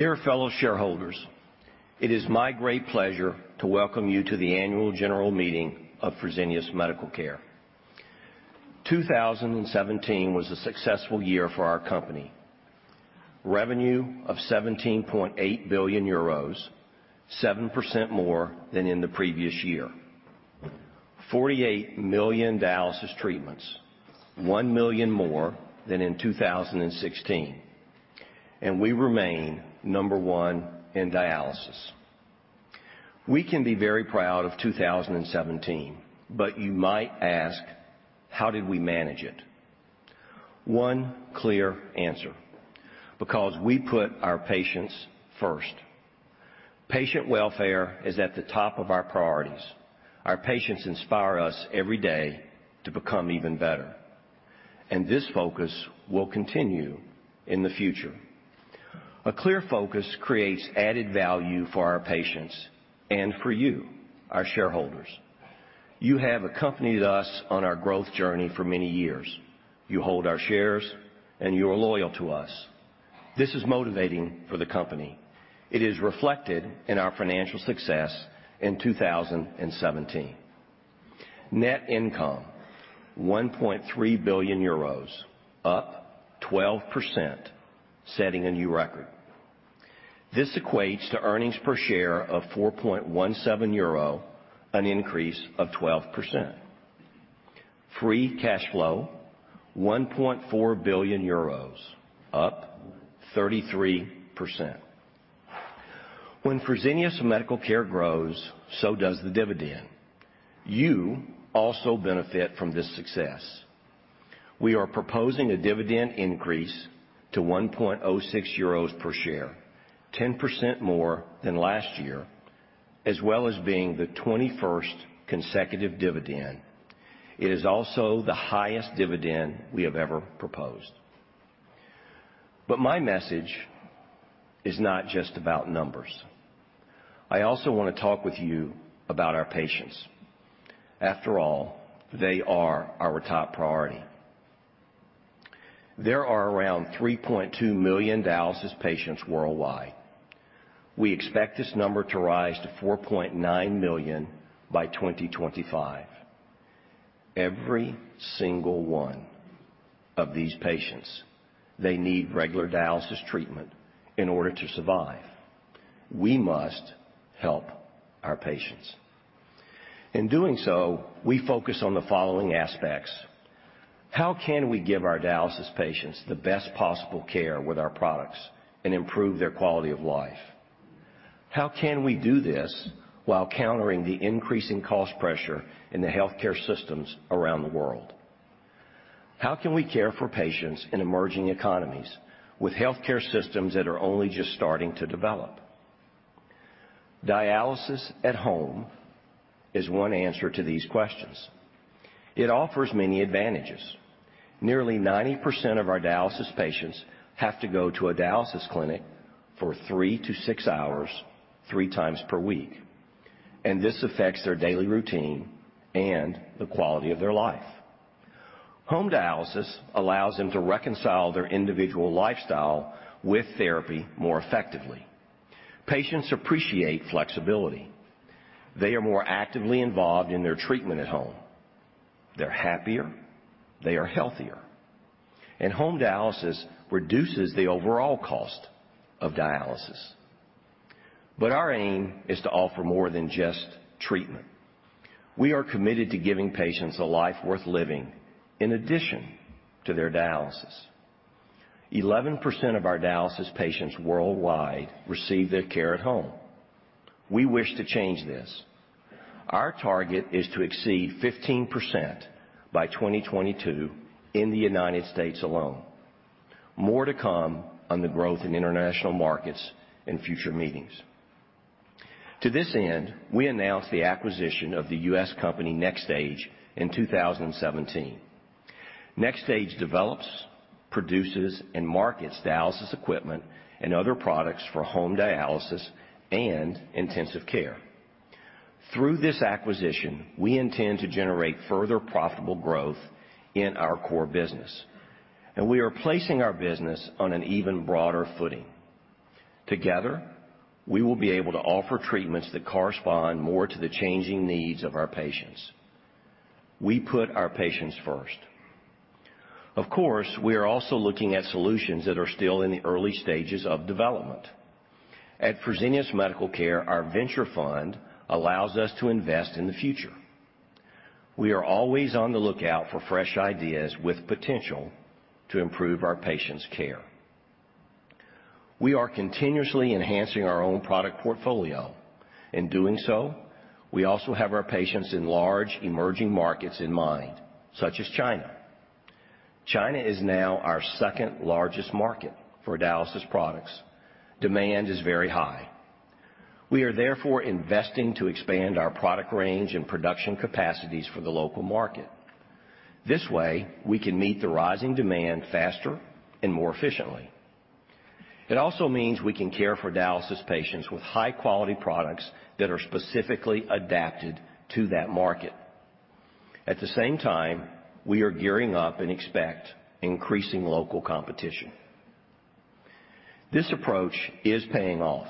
Dear fellow shareholders, it is my great pleasure to welcome you to the annual general meeting of Fresenius Medical Care. 2017 was a successful year for our company. Revenue of 17.8 billion euros, 7% more than in the previous year. 48 million dialysis treatments, 1 million more than in 2016, and we remain number one in dialysis. We can be very proud of 2017. You might ask, how did we manage it? One clear answer. Because we put our patients first. Patient welfare is at the top of our priorities. Our patients inspire us every day to become even better, and this focus will continue in the future. A clear focus creates added value for our patients and for you, our shareholders. You have accompanied us on our growth journey for many years. You hold our shares, and you are loyal to us. This is motivating for the company. It is reflected in our financial success in 2017. Net income, 1.3 billion euros, up 12%, setting a new record. This equates to earnings per share of 4.17 euro, an increase of 12%. Free cash flow, 1.4 billion euros, up 33%. When Fresenius Medical Care grows, so does the dividend. You also benefit from this success. We are proposing a dividend increase to 1.06 euros per share, 10% more than last year, as well as being the 21st consecutive dividend. It is also the highest dividend we have ever proposed. My message is not just about numbers. I also want to talk with you about our patients. After all, they are our top priority. There are around 3.2 million dialysis patients worldwide. We expect this number to rise to 4.9 million by 2025. Every single one of these patients, they need regular dialysis treatment in order to survive. We must help our patients. In doing so, we focus on the following aspects. How can we give our dialysis patients the best possible care with our products and improve their quality of life? How can we do this while countering the increasing cost pressure in the healthcare systems around the world? How can we care for patients in emerging economies with healthcare systems that are only just starting to develop? Dialysis at home is one answer to these questions. It offers many advantages. Nearly 90% of our dialysis patients have to go to a dialysis clinic for three to six hours, three times per week, and this affects their daily routine and the quality of their life. Home dialysis allows them to reconcile their individual lifestyle with therapy more effectively. Patients appreciate flexibility. They are more actively involved in their treatment at home. They're happier, they are healthier, and home dialysis reduces the overall cost of dialysis. Our aim is to offer more than just treatment. We are committed to giving patients a life worth living in addition to their dialysis. 11% of our dialysis patients worldwide receive their care at home. We wish to change this. Our target is to exceed 15% by 2022 in the United States alone. More to come on the growth in international markets in future meetings. To this end, we announced the acquisition of the U.S. company NxStage in 2017. NxStage develops, produces, and markets dialysis equipment and other products for home dialysis and intensive care. Through this acquisition, we intend to generate further profitable growth in our core business, and we are placing our business on an even broader footing. Together, we will be able to offer treatments that correspond more to the changing needs of our patients. We put our patients first. Of course, we are also looking at solutions that are still in the early stages of development. At Fresenius Medical Care, our venture fund allows us to invest in the future. We are always on the lookout for fresh ideas with potential to improve our patients' care. We are continuously enhancing our own product portfolio. In doing so, we also have our patients in large emerging markets in mind, such as China. China is now our second-largest market for dialysis products. Demand is very high. We are therefore investing to expand our product range and production capacities for the local market. This way, we can meet the rising demand faster and more efficiently. It also means we can care for dialysis patients with high-quality products that are specifically adapted to that market. At the same time, we are gearing up and expect increasing local competition. This approach is paying off.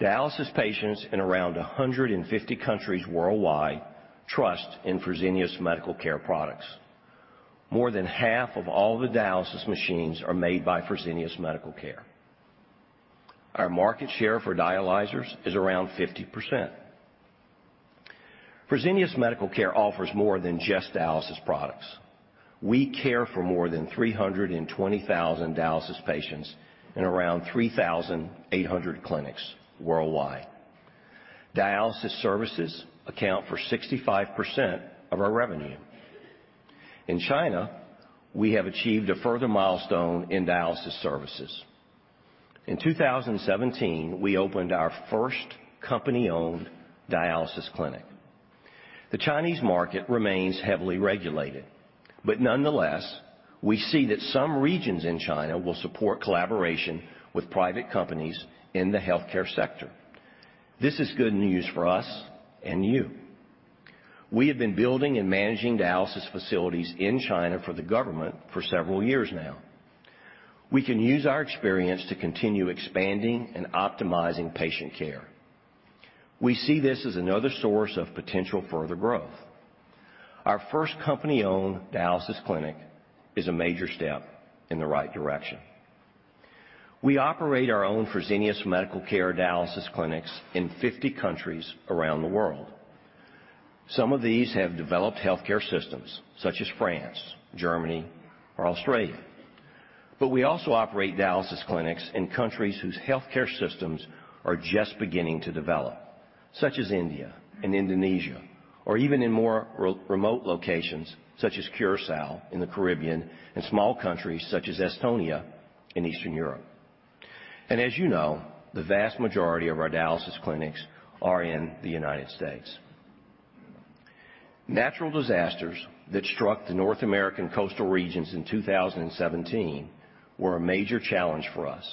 Dialysis patients in around 150 countries worldwide trust in Fresenius Medical Care products. More than half of all the dialysis machines are made by Fresenius Medical Care. Our market share for dialyzers is around 50%. Fresenius Medical Care offers more than just dialysis products. We care for more than 320,000 dialysis patients in around 3,800 clinics worldwide. Dialysis services account for 65% of our revenue. In China, we have achieved a further milestone in dialysis services. In 2017, we opened our first company-owned dialysis clinic. The Chinese market remains heavily regulated, nonetheless, we see that some regions in China will support collaboration with private companies in the healthcare sector. This is good news for us and you. We have been building and managing dialysis facilities in China for the government for several years now. We can use our experience to continue expanding and optimizing patient care. We see this as another source of potential further growth. Our first company-owned dialysis clinic is a major step in the right direction. We operate our own Fresenius Medical Care dialysis clinics in 50 countries around the world. Some of these have developed healthcare systems, such as France, Germany, or Australia. We also operate dialysis clinics in countries whose healthcare systems are just beginning to develop, such as India and Indonesia, or even in more remote locations such as Curacao in the Caribbean and small countries such as Estonia in Eastern Europe. As you know, the vast majority of our dialysis clinics are in the U.S. Natural disasters that struck the North American coastal regions in 2017 were a major challenge for us.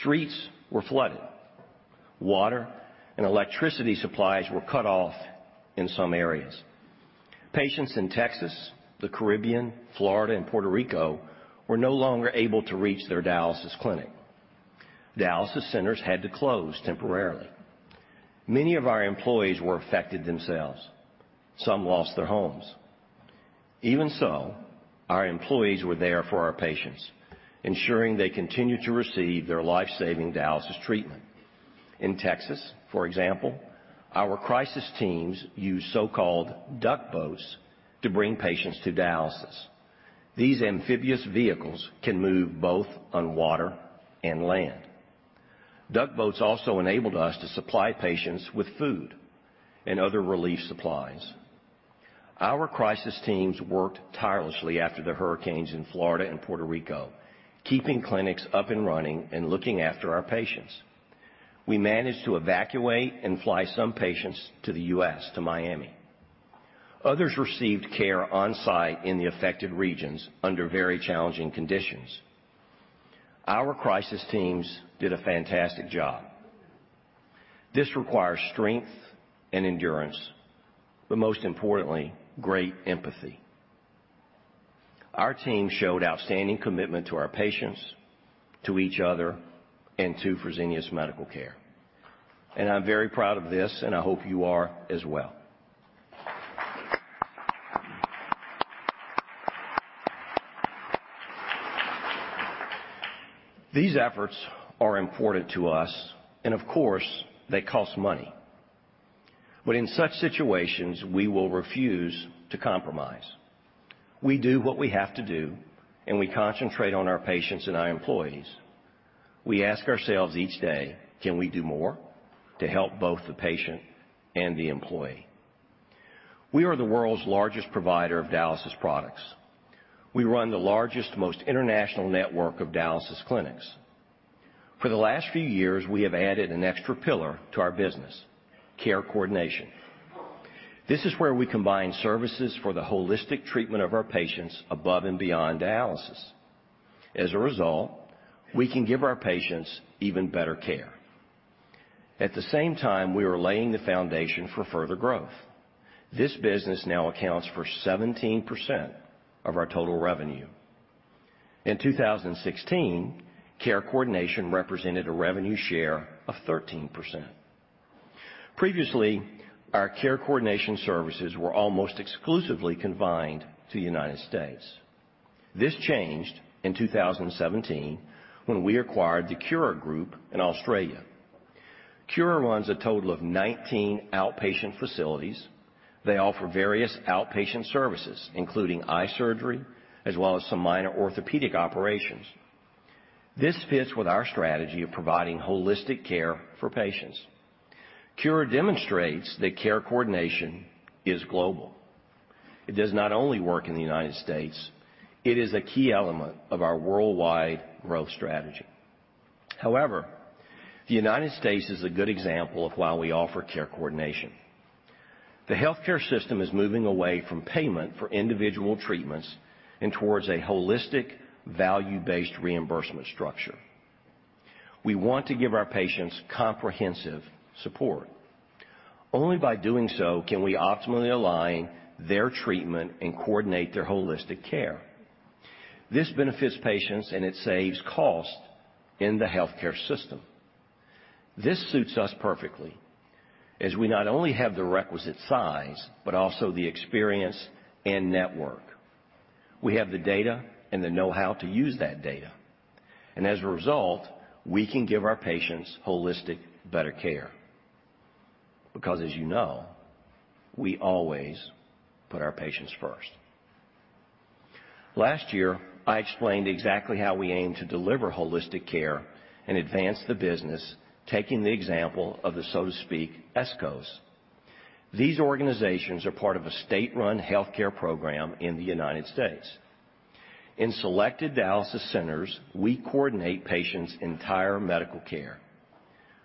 Streets were flooded. Water and electricity supplies were cut off in some areas. Patients in Texas, the Caribbean, Florida, and Puerto Rico were no longer able to reach their dialysis clinic. Dialysis centers had to close temporarily. Many of our employees were affected themselves. Some lost their homes. Even so, our employees were there for our patients, ensuring they continued to receive their life-saving dialysis treatment. In Texas, for example, our crisis teams used so-called duck boats to bring patients to dialysis. These amphibious vehicles can move both on water and land. Duck boats also enabled us to supply patients with food and other relief supplies. Our crisis teams worked tirelessly after the hurricanes in Florida and Puerto Rico, keeping clinics up and running and looking after our patients. We managed to evacuate and fly some patients to the U.S., to Miami. Others received care on-site in the affected regions under very challenging conditions. Our crisis teams did a fantastic job. This requires strength and endurance, but most importantly, great empathy. Our team showed outstanding commitment to our patients, to each other, and to Fresenius Medical Care, and I'm very proud of this, and I hope you are as well. These efforts are important to us, and of course, they cost money. In such situations, we will refuse to compromise. We do what we have to do, and we concentrate on our patients and our employees. We ask ourselves each day, "Can we do more to help both the patient and the employee?" We are the world's largest provider of dialysis products. We run the largest, most international network of dialysis clinics. For the last few years, we have added an extra pillar to our business, care coordination. This is where we combine services for the holistic treatment of our patients above and beyond dialysis. As a result, we can give our patients even better care. At the same time, we are laying the foundation for further growth. This business now accounts for 17% of our total revenue. In 2016, care coordination represented a revenue share of 13%. Previously, our care coordination services were almost exclusively confined to the U.S. This changed in 2017 when we acquired the Cura Group in Australia. Cura runs a total of 19 outpatient facilities. They offer various outpatient services, including eye surgery, as well as some minor orthopedic operations. This fits with our strategy of providing holistic care for patients. Cura demonstrates that care coordination is global. It does not only work in the U.S., it is a key element of our worldwide growth strategy. However, the U.S. is a good example of why we offer care coordination. The healthcare system is moving away from payment for individual treatments and towards a holistic, value-based reimbursement structure. We want to give our patients comprehensive support. Only by doing so can we optimally align their treatment and coordinate their holistic care. This benefits patients and it saves cost in the healthcare system. This suits us perfectly, as we not only have the requisite size, but also the experience and network. We have the data and the know-how to use that data, and as a result, we can give our patients holistic better care. Because as you know, we always put our patients first. Last year, I explained exactly how we aim to deliver holistic care and advance the business, taking the example of the, so to speak, ESCOs. These organizations are part of a state-run healthcare program in the U.S. In selected dialysis centers, we coordinate patients' entire medical care.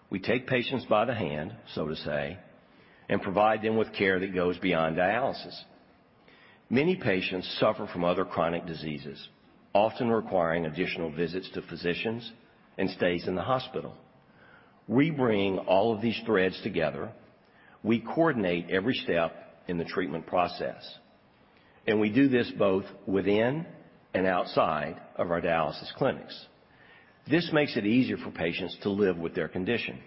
We take patients by the hand, so to say, and provide them with care that goes beyond dialysis. Many patients suffer from other chronic diseases, often requiring additional visits to physicians and stays in the hospital. We bring all of these threads together. We coordinate every step in the treatment process, and we do this both within and outside of our dialysis clinics. This makes it easier for patients to live with their condition,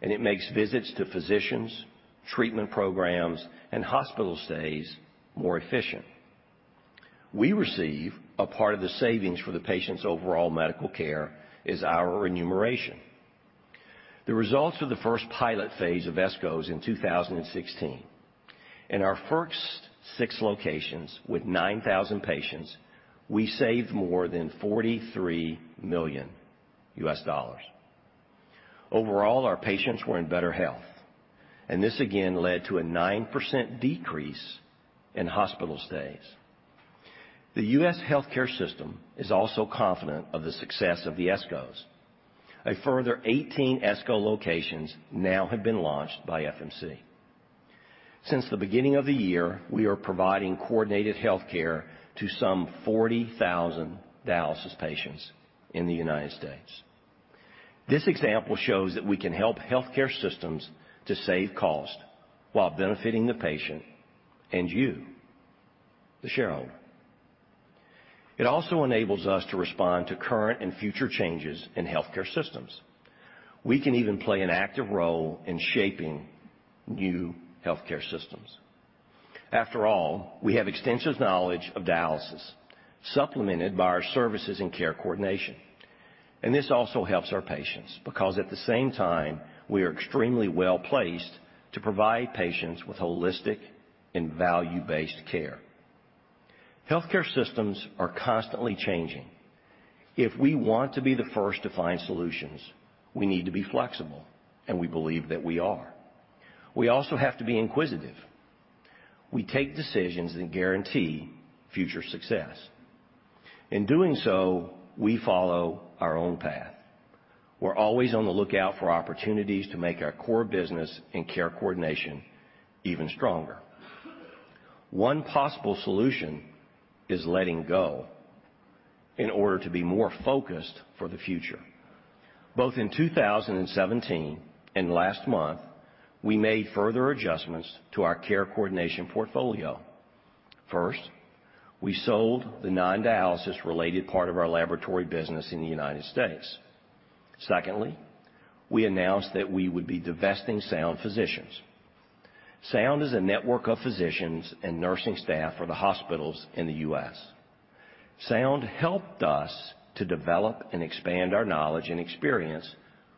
and it makes visits to physicians, treatment programs, and hospital stays more efficient. We receive a part of the savings for the patient's overall medical care as our remuneration. The results for the first pilot phase of ESCOs in 2016. In our first six locations with 9,000 patients, we saved more than $43 million. Overall, our patients were in better health. This again led to a 9% decrease in hospital stays. The U.S. healthcare system is also confident of the success of the ESCOs. A further 18 ESCO locations now have been launched by FMC. Since the beginning of the year, we are providing coordinated healthcare to some 40,000 dialysis patients in the United States. This example shows that we can help healthcare systems to save cost while benefiting the patient and you, the shareholder. It also enables us to respond to current and future changes in healthcare systems. We can even play an active role in shaping new healthcare systems. After all, we have extensive knowledge of dialysis supplemented by our services and care coordination. This also helps our patients. At the same time, we are extremely well-placed to provide patients with holistic and value-based care. Healthcare systems are constantly changing. If we want to be the first to find solutions, we need to be flexible, and we believe that we are. We also have to be inquisitive. We take decisions that guarantee future success. In doing so, we follow our own path. We're always on the lookout for opportunities to make our core business and care coordination even stronger. One possible solution is letting go in order to be more focused for the future. Both in 2017 and last month, we made further adjustments to our care coordination portfolio. First, we sold the non-dialysis related part of our laboratory business in the United States. Secondly, we announced that we would be divesting Sound Physicians. Sound is a network of physicians and nursing staff for the hospitals in the U.S. Sound helped us to develop and expand our knowledge and experience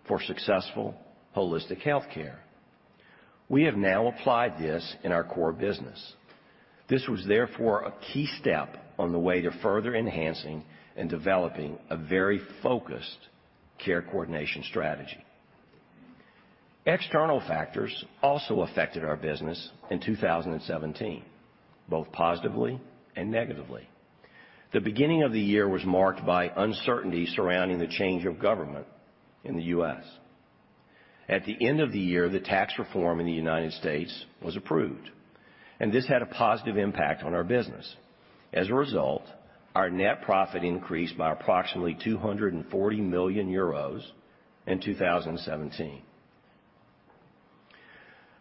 for successful holistic healthcare. We have now applied this in our core business. This was therefore a key step on the way to further enhancing and developing a very focused care coordination strategy. External factors also affected our business in 2017, both positively and negatively. The beginning of the year was marked by uncertainty surrounding the change of government in the U.S. At the end of the year, the tax reform in the United States was approved. This had a positive impact on our business. As a result, our net profit increased by approximately 240 million euros in 2017.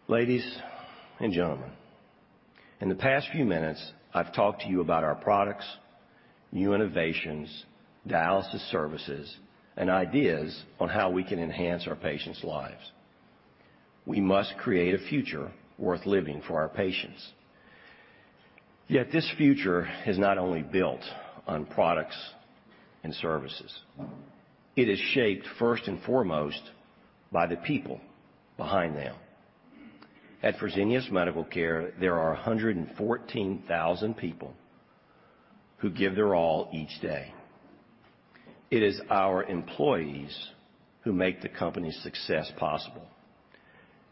Ladies and gentlemen, in the past few minutes, I've talked to you about our products, new innovations, dialysis services, and ideas on how we can enhance our patients' lives. We must create a future worth living for our patients. Yet this future is not only built on products and services. It is shaped first and foremost by the people behind them. At Fresenius Medical Care, there are 114,000 people who give their all each day. It is our employees who make the company's success possible.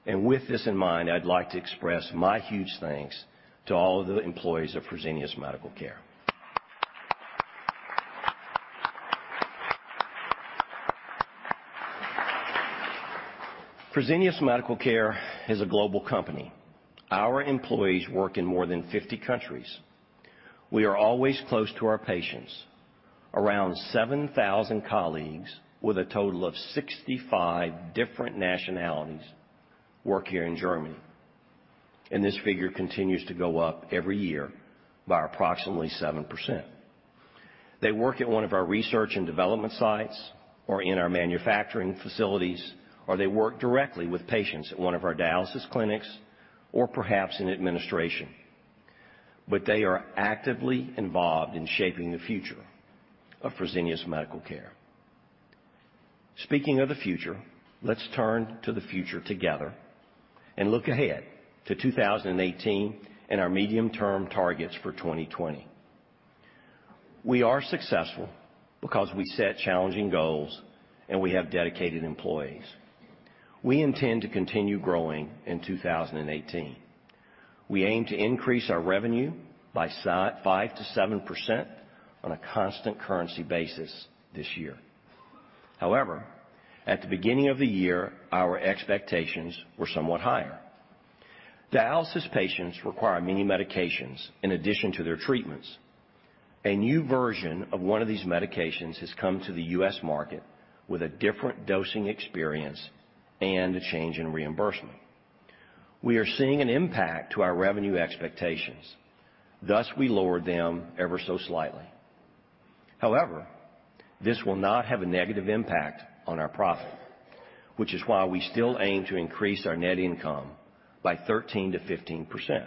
With this in mind, I'd like to express my huge thanks to all of the employees of Fresenius Medical Care. Fresenius Medical Care is a global company. Our employees work in more than 50 countries. We are always close to our patients. Around 7,000 colleagues with a total of 65 different nationalities work here in Germany, and this figure continues to go up every year by approximately 7%. They work at one of our research and development sites, or in our manufacturing facilities, or they work directly with patients at one of our dialysis clinics, or perhaps in administration. They are actively involved in shaping the future of Fresenius Medical Care. Speaking of the future, let's turn to the future together and look ahead to 2018 and our medium-term targets for 2020. We are successful because we set challenging goals and we have dedicated employees. We intend to continue growing in 2018. We aim to increase our revenue by 5%-7% on a constant currency basis this year. However, at the beginning of the year, our expectations were somewhat higher. Dialysis patients require many medications in addition to their treatments. A new version of one of these medications has come to the U.S. market with a different dosing experience and a change in reimbursement. We are seeing an impact to our revenue expectations, thus, we lowered them ever so slightly. However, this will not have a negative impact on our profit, which is why we still aim to increase our net income by 13%-15%.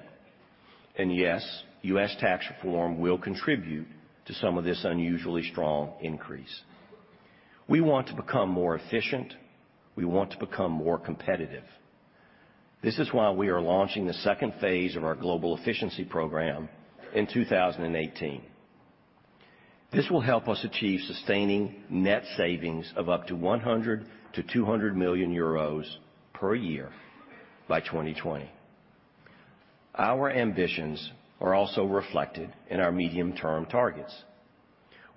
Yes, U.S. tax reform will contribute to some of this unusually strong increase. We want to become more efficient. We want to become more competitive. This is why we are launching the second phase of our global efficiency program in 2018. This will help us achieve sustaining net savings of up to 100 million-200 million euros per year by 2020. Our ambitions are also reflected in our medium-term targets.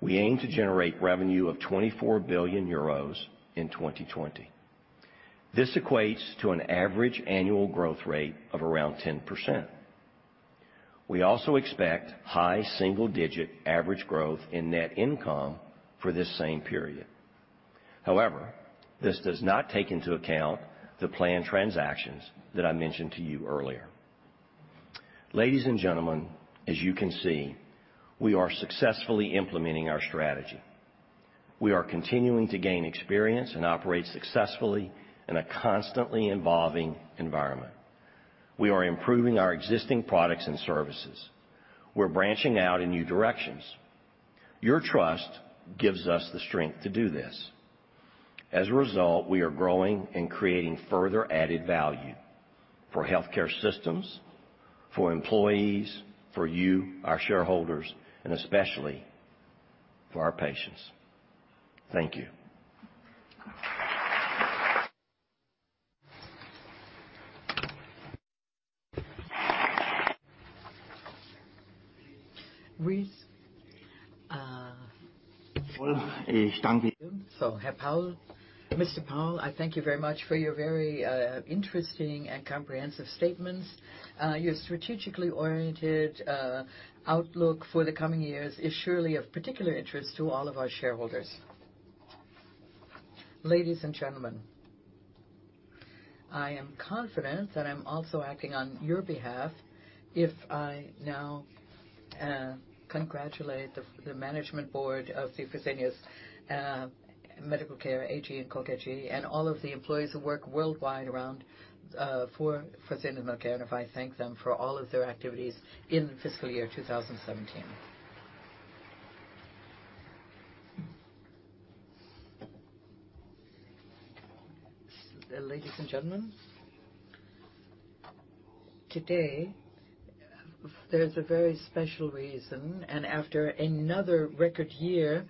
We aim to generate revenue of 24 billion euros in 2020. This equates to an average annual growth rate of around 10%. We also expect high single-digit average growth in net income for this same period. However, this does not take into account the planned transactions that I mentioned to you earlier. Ladies and gentlemen, as you can see, we are successfully implementing our strategy. We are continuing to gain experience and operate successfully in a constantly evolving environment. We are improving our existing products and services. We're branching out in new directions. Your trust gives us the strength to do this. As a result, we are growing and creating further added value for healthcare systems, for employees, for you, our shareholders, and especially for our patients. Thank you. Mr. Powell, I thank you very much for your very interesting and comprehensive statements. Your strategically oriented outlook for the coming years is surely of particular interest to all of our shareholders. Ladies and gentlemen, I am confident that I'm also acting on your behalf if I now congratulate the management board of the Fresenius Medical Care AG in [Else-Kröner-Straße], and all of the employees who work worldwide around for Fresenius Medical, and if I thank them for all of their activities in fiscal year 2017. Ladies and gentlemen, today, there's a very special reason, after another record year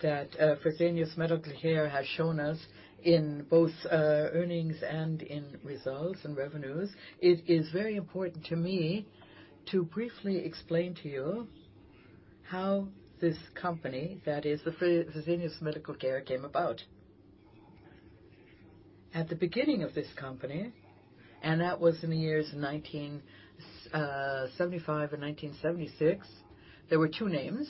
that Fresenius Medical Care has shown us in both earnings and in results and revenues. It is very important to me to briefly explain to you how this company, that is Fresenius Medical Care, came about. At the beginning of this company, and that was in the years 1975 and 1976, there were two names